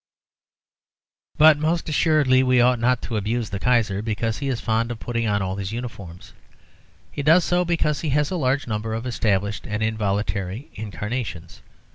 But most assuredly we ought not to abuse the Kaiser because he is fond of putting on all his uniforms; he does so because he has a large number of established and involuntary incarnations.